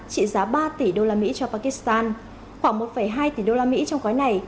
trị giá ba tỷ usd cho pakistan khoảng một hai tỷ usd trong gói này